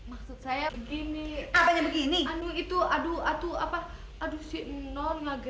aku juga hargin semua datang